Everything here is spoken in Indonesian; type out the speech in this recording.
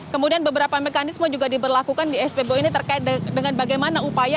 kemudian beberapa mekanisme juga diberlakukan di spbu ini terkait dengan bagaimana upaya